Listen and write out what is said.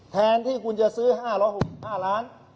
แทนที่คุณจะซื้อ๕๖๕ล้าน